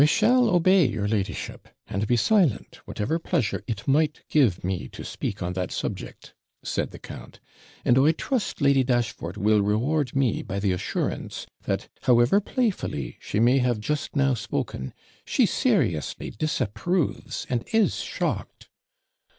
I shall obey your ladyship, and be silent, whatever pleasure it might give me to speak on that subject,' said the count; 'and I trust Lady Dashfort will reward me by the assurance that, however playfully she may have just now spoken, she seriously disapproves and is shocked.'